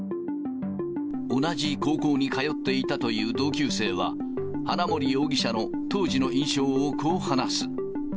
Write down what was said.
同じ高校に通っていたという同級生は、花森容疑者の当時の印象をこう話す。